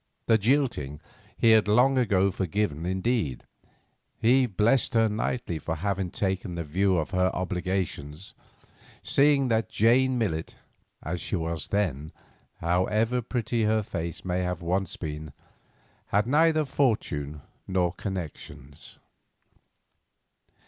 The jilting he had long ago forgiven; indeed, he blessed her nightly for having taken that view of her obligations, seeing that Jane Millet, as she was then, however pretty her face may once have been, had neither fortune nor connections.